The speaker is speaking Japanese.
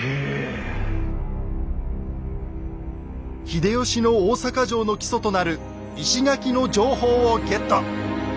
秀吉の大坂城の基礎となる石垣の情報をゲット！